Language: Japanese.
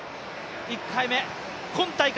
１回目今大会